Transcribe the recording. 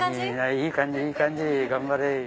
いい感じいい感じ頑張れ。